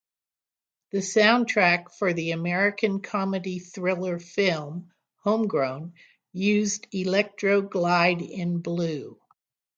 The soundtrack for the American comedy thriller film, "Homegrown" used "Electro Glide in Blue".